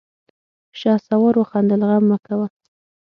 شهسوار وخندل: غم مه کوه!